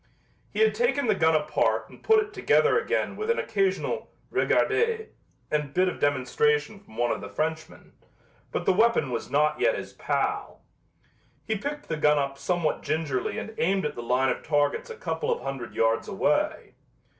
He had taken the gun apart and put it together again with an occasional "regardez" and bit of demonstration from one of the Frenchmen, but the weapon was not yet his pal. He picked the gun up somewhat gingerly and aimed at the line of targets a couple of hundred yards away.